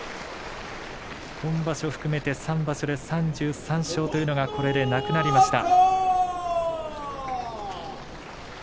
今場所を含めて３場所で３３勝というのがこれでなくなりました。